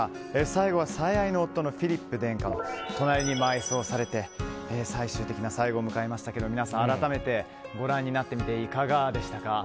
最後は最愛の夫のフィリップ殿下の隣に埋葬されて最終的な最後を迎えましたけども皆さん、改めてご覧になっていかがでしたか？